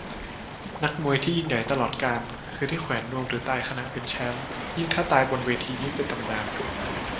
นักมวยที่ยิ่งใหญ่ตลอดกาล คือที่แขวนนวมหรือตายขณะเป็นแชมป์ ยิ่งถ้าตายบนเวทียิ่งเป็นตำนาน